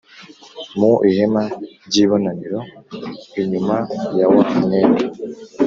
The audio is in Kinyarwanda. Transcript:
Mu ihema ry ibonaniro inyuma ya wa mwenda